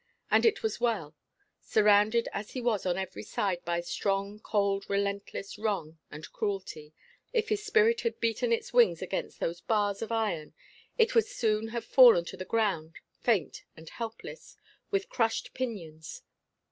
And it was well. Surrounded as he was on every side by strong, cold, relentless wrong and cruelty, if his spirit had beaten its wings against those bars of iron, it would soon have fallen to the ground faint and helpless, with crushed pinions.